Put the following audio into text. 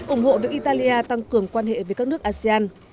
ủng hộ việc italia tăng cường quan hệ với các nước asean